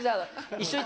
一緒に！